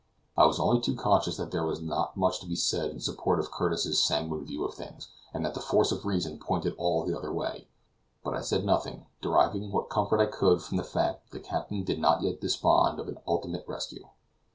I was only too conscious that there was not much to be said in support of Curtis's sanguine view of things, and that the force of reason pointed all the other way; but I said nothing, deriving what comfort I could from the fact that the captain did not yet despond of an ultimate rescue.